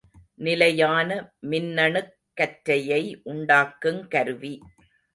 நிலையான மின்னணுக் கற்றையை உண்டாக்குங் கருவி.